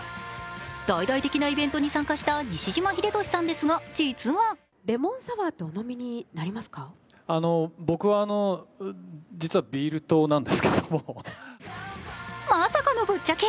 大々的なイベントに参加した西島秀俊さんですが、実はまさかのぶっちゃけ。